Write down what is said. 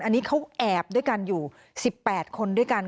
อันนี้เขาแอบด้วยกันอยู่๑๘คนด้วยกัน